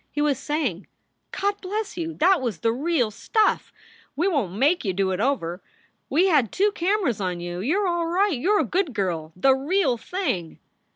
He was saying: "God bless you! That was the real stuff! We won t make you do it over. We had two cameras on you. You re all right! You re a good girl! The real thing!"